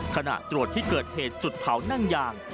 ขณะตรวจที่เกิดเหตุจุดเผานั่งยาง